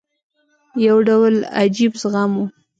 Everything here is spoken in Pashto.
یو ډول عجیب زغم وو.